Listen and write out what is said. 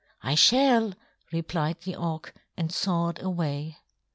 "I shall," replied the Auk, and soared away.